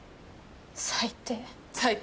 最低。